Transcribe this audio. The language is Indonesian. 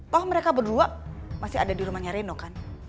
toh mereka berdua masih ada di rumahnya reno kan